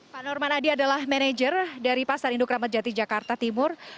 pak norman adi adalah manajer dari pasar induk ramadjati jakarta timur